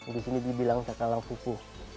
di sini dibilang cakalang pupuk